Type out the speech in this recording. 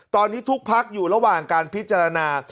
ตอนนี้ทุกพักอยู่ระหว่างการพิจารณา